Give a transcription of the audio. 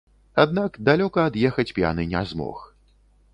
Аднак далёка ад'ехаць п'яны не змог.